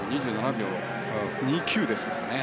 ２７秒２９ですからね。